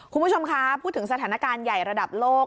คุณผู้ชมคะพูดถึงสถานการณ์ใหญ่ระดับโลก